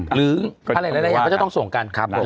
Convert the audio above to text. หรืออะไรก็จะต้องส่งกัน